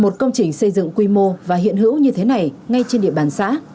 một công trình xây dựng quy mô và hiện hữu như thế này ngay trên địa bàn xã